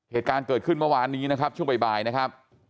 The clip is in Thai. เหตุการณ์เกิดขึ้นเมื่อวานนี้นะครับช่วงบ่ายนะครับ